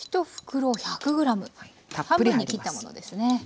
１袋１００ｇ半分に切ったものですね。